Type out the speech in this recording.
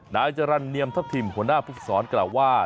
นายจรรย์เนียมทัพทิมหัวหน้าภูมิสอนกล่าวว่า